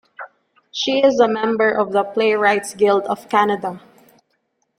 She is a member of the Playwrights Guild of Canada.